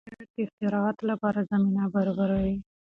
انټرنیټ د اختراعاتو لپاره زمینه برابروي.